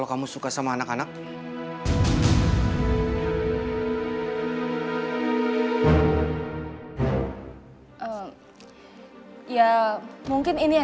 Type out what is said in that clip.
udah siva jangan nangis ya